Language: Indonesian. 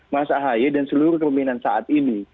mas ahy dan seluruh kelembagaan saat ini